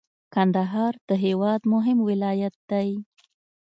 کندهار د هیواد مهم ولایت دی.